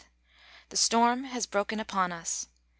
The storm has broken upon us.